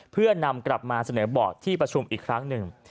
เพื่อนำกลับมาเสนอบอร์ดที่ประชุมอีกครั้งหนึ่ง